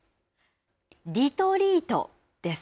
リトリートです。